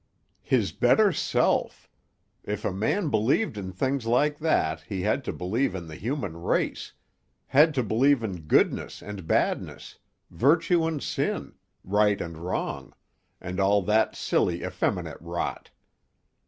His better self! If a man believed in things like that he had to believe in the human race—had to believe in goodness and badness, virtue and sin, right and wrong, and all that silly, effeminate rot.